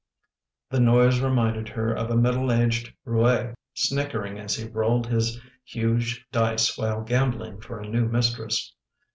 The noise reminded her of a middle aged roue, snickering as he rolled his huge dice while gambling for a new mistress.